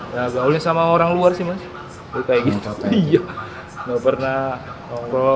ya ga boleh sama orang luar sih mas